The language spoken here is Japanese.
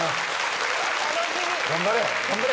頑張れ。